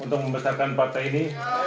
untuk membesarkan partai ini